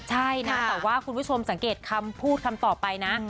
ใช่นะแต่ว่าคุณผู้ชมสังเกตคำพูดคำต่อไปนะ